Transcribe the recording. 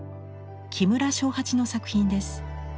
木村荘八の作品です。